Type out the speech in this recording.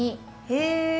へえ。